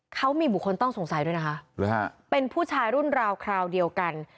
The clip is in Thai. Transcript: เขามีบุคคลต้องสงสัยด้วยนะคะเป็นผู้ชายรุ่นราวคราวเดียวกัน